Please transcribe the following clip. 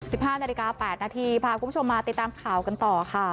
ห้านาฬิกาแปดนาทีพาคุณผู้ชมมาติดตามข่าวกันต่อค่ะ